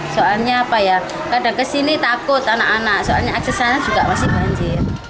soalnya apa ya kadang kesini takut anak anak soalnya akses sana juga masih banjir